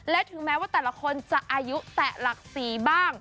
และถึงแม้ว่าแต่ละคนจะอายุแตะหลักศรีบ้าง